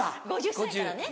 ５０歳からね。